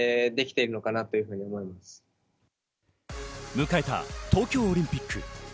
迎えた東京オリンピック。